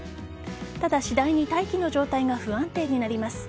ただ、次第に大気の状態が不安定になります。